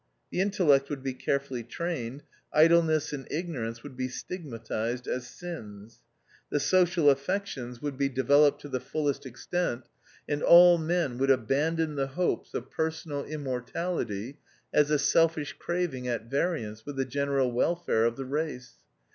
The intellect would be carefully trained ; idle ness and ignorance would be stigmatised as sins. The social affections would be 250 THE OUTCAST. developed to the fullest extent, and all men would abandon the hopes of personal immortality as a selfish craving at vari ance with the general welfare of the race.